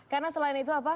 karena selain itu apa